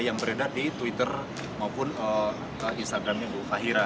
yang beredar di twitter maupun instagramnya bu fahira